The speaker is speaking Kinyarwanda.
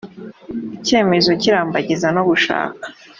icyemezo cy irambagiza no gushaka